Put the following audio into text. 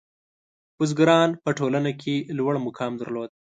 • بزګران په ټولنه کې لوړ مقام درلود.